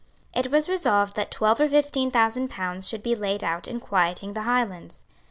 It was resolved that twelve or fifteen thousand pounds should be laid out in quieting the Highlands.